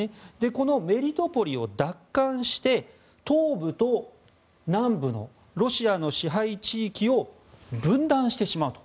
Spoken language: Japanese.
このメリトポリを奪還して東部と南部のロシアの支配地域を分断してしまうと。